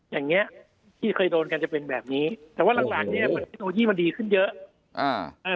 อย่างนี้ที่เคยโดนกันจะเป็นแบบนี้แต่ว่าหลังหลังเนี้ยเทคโนโลยีมันดีขึ้นเยอะ